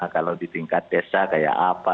kalau di tingkat desa kayak apa